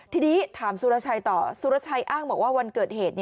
ทีนี้ถามสุรชัยต่อสุรชัยอ้างบอกว่าวันเกิดเหตุ